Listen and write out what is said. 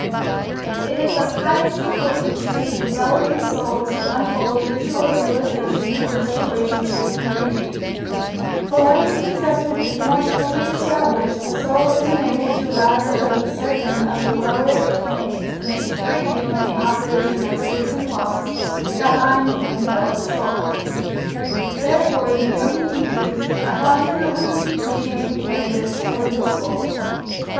It is of the highest importance to the developing soul to unfold into a realization of this relationship and unity, _for when this conception is once fully established the soul is enabled to rise above certain of the lower planes, and is free from the operation of certain laws that bind the undeveloped soul_. Therefore the Yogi teachers are constantly leading the Candidates toward this goal.